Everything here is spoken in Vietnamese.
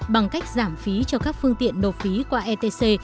bằng cách giảm phí cho các phương tiện đột phí qua etc